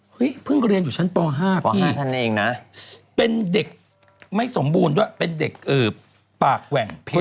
เพิ่งเรียนอยู่ชั้นป๕พี่เป็นเด็กไม่สมบูรณ์ด้วยเป็นเด็กปากแหว่งเพชร